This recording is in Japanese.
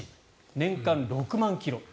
年間６万ｋｍ。